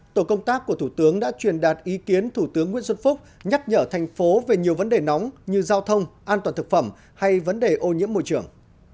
tổ công tác của thủ tướng đã truyền đạt ý kiến thủ tướng nguyễn xuân phúc nhắc nhở thành phố về nhiều vấn đề nóng như giao thông an toàn thực phẩm hay vấn đề ô nhiễm môi trường